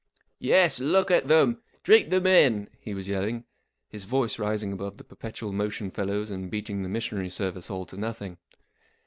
44 Yes, look at them ! Drink them in !" he was yelling, his voice rising above the perpetual motion fellow's and beating the missionary service all to nothing.